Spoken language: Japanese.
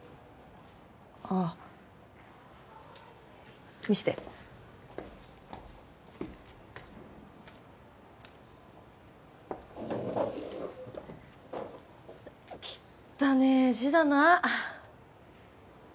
ああ見せてきったねえ字だな